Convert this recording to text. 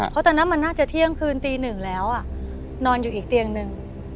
เพราะตอนนั้นมันน่าจะเที่ยงคืนตีหนึ่งแล้วนอนอยู่อีกเตียงหนึ่ง